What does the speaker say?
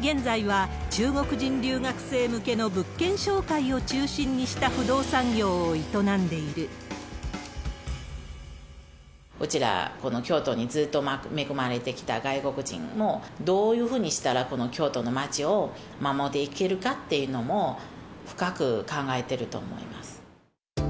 現在は中国人留学生向けの物件紹介を中心にした不動産業を営んでうちら、この京都にずっと恵まれてきた外国人も、どういうふうにしたら、この京都の町を守っていけるかっていうのも深く考えてると思います。